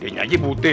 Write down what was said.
dengan aja butik